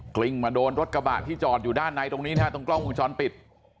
ลิ้งมาโดนรถกระบะที่จอดอยู่ด้านในตรงนี้นะฮะตรงกล้องวงจรปิด